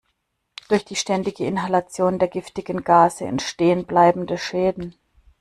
Durch die ständige Inhalation der giftigen Gase entstehen bleibende Schäden.